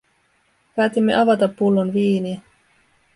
Päätimme avata pullon viiniä.